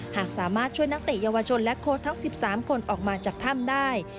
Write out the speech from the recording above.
หากสามารถช่วยนักเตะเยาวชนและโค้ดทั้ง๑๓คนออกมาจากถ้ำได้